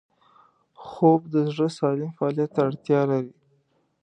خوب د زړه سالم فعالیت ته اړتیا لري